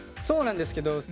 そうなんですけど。